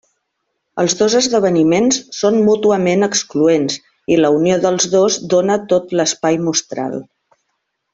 Els dos esdeveniments són mútuament excloents i la unió dels dos dóna tot l'espai mostral.